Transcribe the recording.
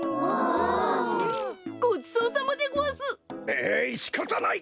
ええいしかたない！